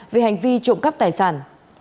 về hành vi trộm cắp tài sản